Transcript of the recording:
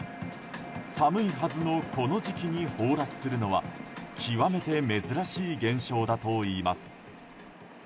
寒いはずのこの時期に崩落するのは極めて珍しい現象だといいます。